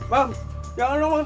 bang jangan udh bang